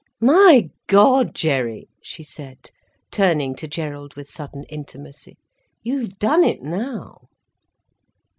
"My God, Jerry," she said, turning to Gerald with sudden intimacy, "you've done it now."